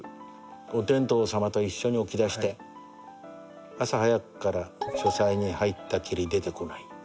おてんとうさまと一緒に起きだして朝早くから書斎に入ったきり出てこない。